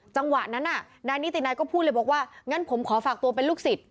จังหวะนั้นน่ะนายนิตินายก็พูดเลยบอกว่างั้นผมขอฝากตัวเป็นลูกศิษย